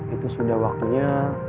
itu sudah waktunya